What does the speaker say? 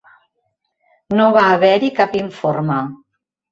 No va haver-hi cap informe.